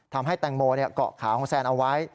ทำให้แตงโมเกาะขาของแซนเอาไว้